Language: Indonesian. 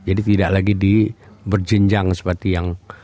tidak lagi di berjenjang seperti yang